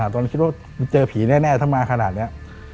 ตอนนั้นคิดว่าเจอผีแน่ถ้ามาขนาดนี้